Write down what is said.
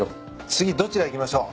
次どちらいきましょう。